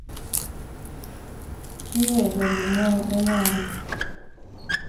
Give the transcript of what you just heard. Kiwek olingwai Emali